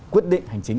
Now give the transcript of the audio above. quyết định hành chính